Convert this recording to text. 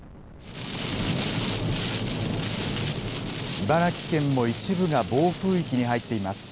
茨城県も一部が暴風域に入っています。